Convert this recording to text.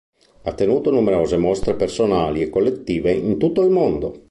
Ha tenuto numerose mostre personali e collettive in tutto il mondo.